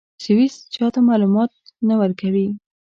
سویس چا ته معلومات نه ورکوي.